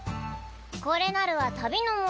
これなるは旅の守り